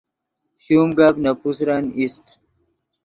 شوم گپ نے پوسرن ایست